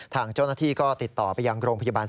ทางเจ้าหน้าที่ก็ติดต่อไปยังโรงพยาบาล